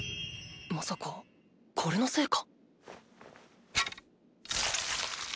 まさかこれのせいか？